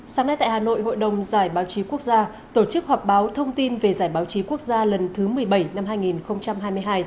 sáng nay tại hà nội hội đồng giải báo chí quốc gia tổ chức họp báo thông tin về giải báo chí quốc gia lần thứ một mươi bảy năm hai nghìn hai mươi hai